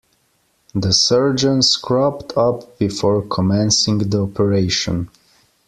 The surgeon scrubbed up before commencing the operation.